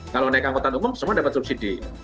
kalau naik angkutan umum semua dapat subsidi